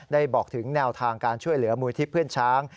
บอกถึงแนวทางการช่วยเหลือมูลที่เพื่อนช้าง